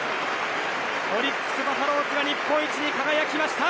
オリックス・バファローズが日本一に輝きました。